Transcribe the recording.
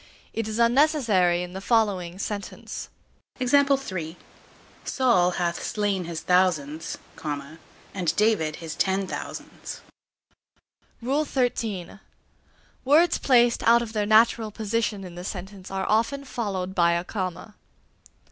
It is unnecessary in the following sentence: Saul hath slain his thousands, and David his ten thousands. XIII. Words placed out of their natural position in the sentence are often followed by a comma.